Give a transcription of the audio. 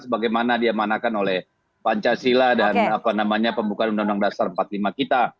sebagaimana diamanakan oleh pancasila dan pembukaan undang undang dasar empat puluh lima kita